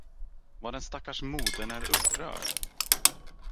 Vad den stackars modern är upprörd!